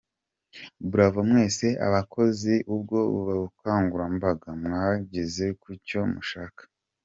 Bravo mwese abakozi ubwo bukangurambaga, mwageze ku cyo mushaka.